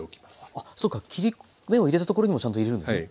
あっそうか切り目を入れたところにもちゃんと入れるんですね？